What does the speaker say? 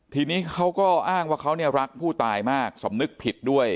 ทีนี้เขาก็อ้างว่าเขาเนี่ยรักผู้ตายมากสำนึกผิดด้วย